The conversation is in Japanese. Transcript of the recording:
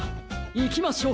いきましょう！